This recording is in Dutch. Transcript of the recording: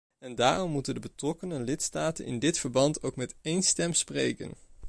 En daarom moeten de betrokken lidstaten in dit verband ook met één stem spreken.